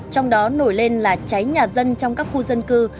trong đó nổi lên là cháy nhà dân trong các khu dân cư